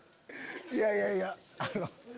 いやいやいやあの。